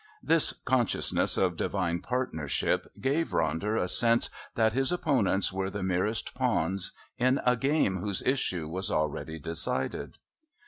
This consciousness of Divine partnership gave Ronder a sense that his opponents were the merest pawns in a game whose issue was already decided.